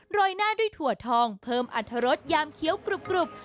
ยหน้าด้วยถั่วทองเพิ่มอัตรรสยามเคี้ยวกรุบ